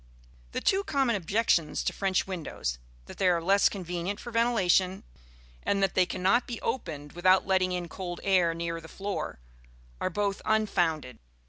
The two common objections to French windows that they are less convenient for ventilation, and that they cannot be opened without letting in cold air near the floor are both unfounded.